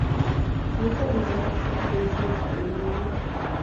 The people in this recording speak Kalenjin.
Mito mbiroshek che kebaishe kebire beek